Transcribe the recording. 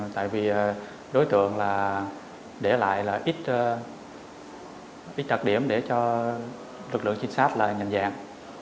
tại vì đối tượng để lại ít đặc điểm để cho lực lượng trinh sát nhận dạng